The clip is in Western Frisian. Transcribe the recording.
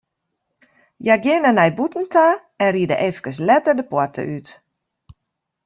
Hja geane nei bûten ta en ride eefkes letter de poarte út.